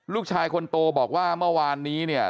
ลูกชายคนโตบอกว่าเมื่อวานนี้เนี่ย